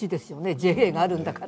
ＪＡがあるんだから。